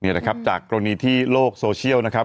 นี่นะครับจากกรณีที่โลกโซเชียลนะครับ